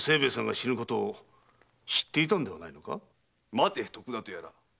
待て徳田とやら。